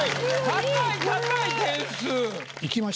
高い高い点数。